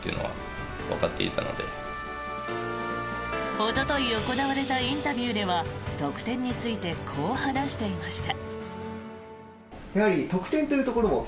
おととい行われたインタビューでは得点についてこう話していました。